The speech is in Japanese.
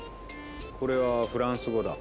これはフランス語だ。